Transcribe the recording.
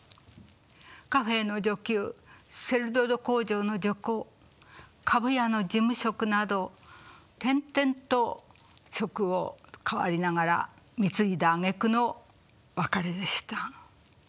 カフェーの女給セルロイド工場の女工株屋の事務職など転々と職を変わりながら貢いだあげくの別れでした。